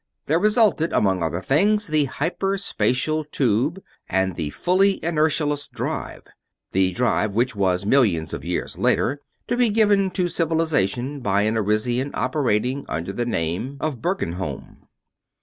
There resulted, among other things, the hyper spatial tube and the fully inertialess drive the drive which was, millions of years later, to be given to Civilization by an Arisian operating under the name of Bergenholm.